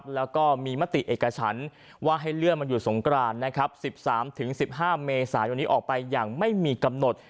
แล้วก็มีมติเอกฉันว่าให้เลื่อนมันอยู่สงกราน๑๓๑๕เมษายนนี้ออกไปอย่างไม่มีกำหนด